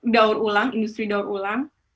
daur ulang industri daur ulang